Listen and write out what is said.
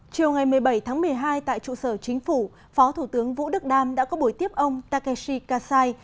chiều ngày một mươi bảy tháng một mươi hai tại trụ sở chính phủ phó thủ tướng vũ đức đam đã có buổi tiếp ông takeshi kasai